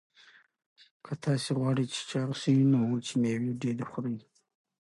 که تاسي غواړئ چې چاغ شئ نو وچې مېوې ډېرې خورئ.